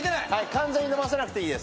完全に伸ばさなくていい。